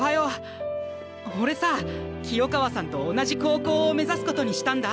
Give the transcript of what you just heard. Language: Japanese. おれさ清川さんと同じ高校を目指すことにしたんだ！